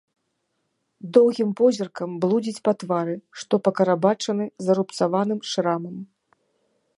Доўгім позіркам блудзіць па твары, што пакарабачаны зарубцаваным шрамам.